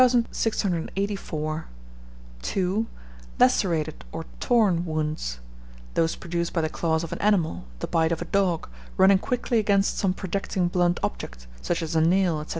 2. Lacerated, or torn wounds those produced by the claws of an animal, the bite of a dog, running quickly against some projecting blunt object, such as a nail, &c.